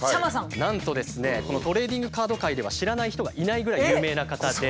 なんとですねこのトレーディングカード界では知らない人がいないぐらい有名な方で。